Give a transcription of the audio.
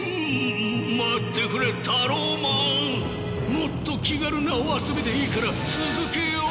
もっと気軽なお遊びでいいから続けよう！